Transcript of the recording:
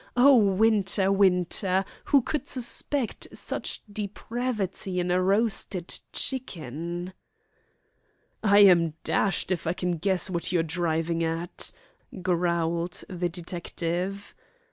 Oh, Winter, Winter, who could suspect such depravity in a roasted chicken!" "I'm dashed if I can guess what you're driving at," growled the detective.